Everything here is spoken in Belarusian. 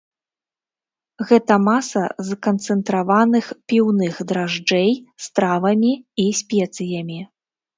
Гэта маса з канцэнтраваных піўных дражджэй з травамі і спецыямі.